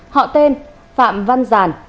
họ tên phạm văn giản